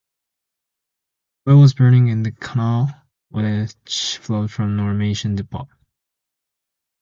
Oil was burning in the canal, which flowed from Normanton Depot.